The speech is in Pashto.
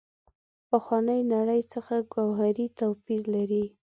پخوانۍ نړۍ څخه ګوهري توپیر لري.